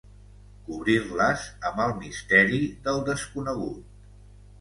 Cobrir-les amb el misteri del desconegut.